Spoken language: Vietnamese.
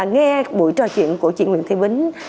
nghe buổi trò chuyện của chị nguyễn thị bính